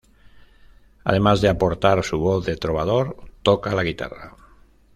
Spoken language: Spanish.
Además de aportar su "voz de trovador", toca la guitarra.